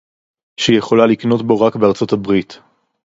שהיא יכולה לקנות בו רק בארצות-הברית